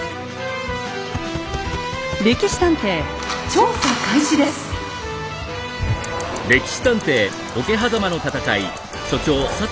「歴史探偵」調査開始です。